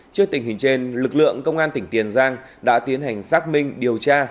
trước tình hình trên lực lượng công an tỉnh tiền giang đã tiến hành xác minh điều tra